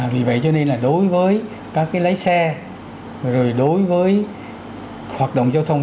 vì vậy cho nên là đối với các cái lái xe rồi đối với hoạt động giao thông